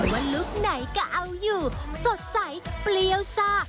ลุคไหนก็เอาอยู่สดใสเปรี้ยวซ่า